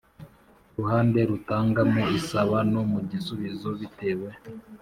ruhande rutanga mu isaba no mu gisubizo bitewe